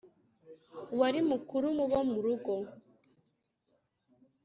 wari mukuru mu bo mu rugo